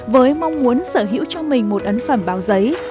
với mong muốn sở hữu cho mình một ấn phẩm báo giấy